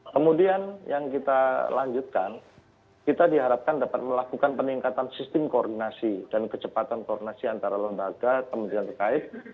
kemudian yang kita lanjutkan kita diharapkan dapat melakukan peningkatan sistem koordinasi dan kecepatan koordinasi antara lembaga pemerintahan terkait